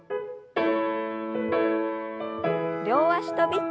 両脚跳び。